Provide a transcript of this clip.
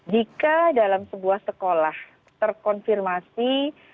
jika dalam sebuah sekolah terkonfirmasi